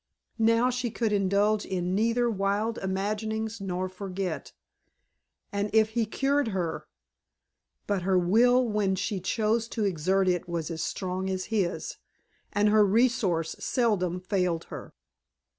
Now, she could indulge in neither wild imaginings nor forget. And if he cured her! but her will when she chose to exert it was as strong as his, and her resource seldom failed her.